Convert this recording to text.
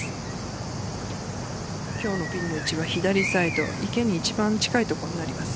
今日のピンの位置は左サイド池に一番近い所になります。